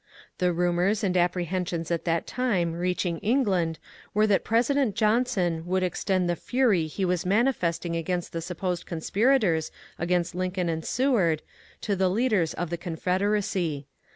The rumours and apprehensions at that time reaching Eng land were that President Johnson would extend the fury he was manifesting against the supposed conspirators against Lincoln and Seward, to the leaders of the Confederacy.